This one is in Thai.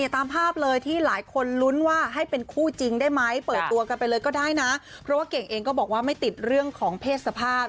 ตามภาพเลยที่หลายคนลุ้นว่าให้เป็นคู่จริงได้ไหมเปิดตัวกันไปเลยก็ได้นะเพราะว่าเก่งเองก็บอกว่าไม่ติดเรื่องของเพศสภาพ